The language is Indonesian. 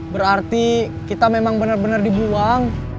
berarti kita memang bener bener dibuang